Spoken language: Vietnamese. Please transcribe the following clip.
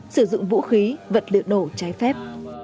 sử dụng vũ khí vật liệu đổ trái phép